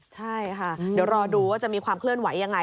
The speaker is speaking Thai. ใช่ค่ะเดี๋ยวรอดูว่าจะมีความเคลื่อนไหวยังไง